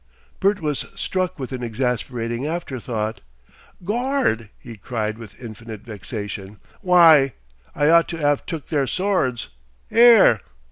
Bert was struck with an exasperating afterthought. "Gord!" he cried with infinite vexation. "Why! I ought to 'ave took their swords! 'Ere!"